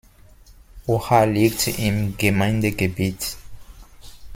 Oha liegt im Gemeindegebiet.